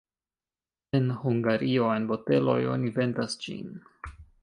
En Hungario en boteloj oni vendas ĝin.